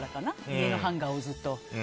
家のハンガーをずっと。